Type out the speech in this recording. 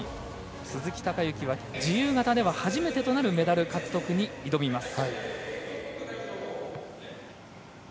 鈴木孝幸は自由形で初めてとなるメダル獲得に挑みます。